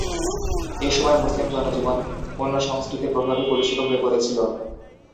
এ সময়ে মুসলিম জনজীবন অন্য সংস্কৃতির প্রভাবে কলুষিত হয়ে পড়েছিল।